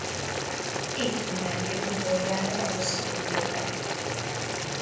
Itt ünneplik utoljára az újévet.